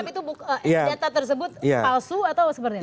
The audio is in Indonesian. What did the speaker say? angka mengangkap itu data tersebut palsu atau seperti itu